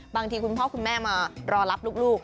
คุณพ่อคุณแม่มารอรับลูก